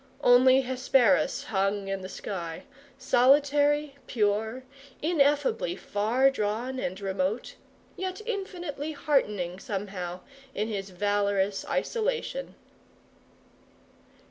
Only Hesperus hung in the sky, solitary, pure, ineffably far drawn and remote; yet infinitely heartening, somehow, in his valorous isolation.